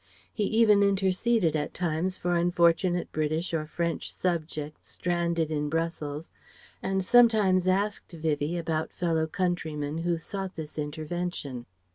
He even interceded at times for unfortunate British or French subjects, stranded in Brussels, and sometimes asked Vivie about fellow countrymen who sought this intervention.